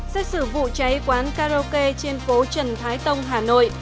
xét xử vụ cháy quán karaoke trên phố trần thái tông hà nội